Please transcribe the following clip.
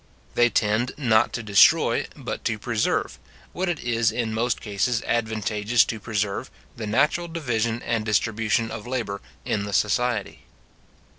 They tend not to destroy, but to preserve, what it is in most cases advantageous to preserve, the natural division and distribution of labour in the society.